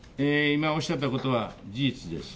今おっしゃったことは事実です。